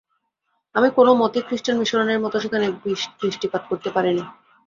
আমি কোনোমতেই খৃষ্টান মিশনারির মতো সেখানে বিষদৃষ্টিপাত করতে পারি নে।